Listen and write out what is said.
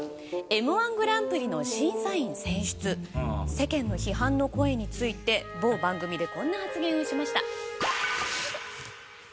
Ｍ−１グランプリの審査員選出世間の批判の声について某番組でこんな発言をしました。